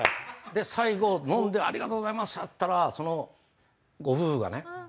最後飲んでありがとうございましたって言ったらそのご夫婦がね